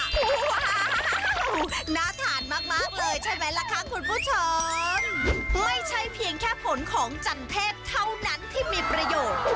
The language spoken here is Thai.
โอ้โหน่าทานมากเลยใช่ไหมล่ะคะคุณผู้ชมไม่ใช่เพียงแค่ผลของจันเพศเท่านั้นที่มีประโยชน์